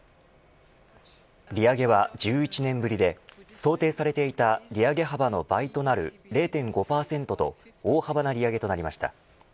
利上げは１１年ぶりで想定されていた利上げ幅の倍となる０．５％と大幅な利上げとなりました。